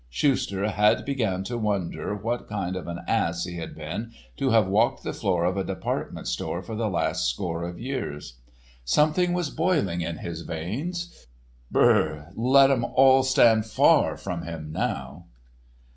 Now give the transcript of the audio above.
Schuster had began to wonder what kind of an ass he had been to have walked the floor of a department store for the last score of years. Something was boiling in his veins. B r r r! Let 'em all stand far from him now.